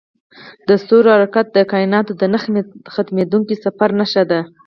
د ستورو حرکت د کایناتو د نه ختمیدونکي سفر نښه ده.